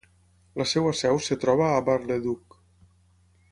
La seva seu es troba a Bar-le-Duc.